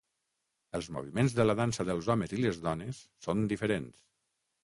Els moviments de la dansa dels homes i les dones són diferents.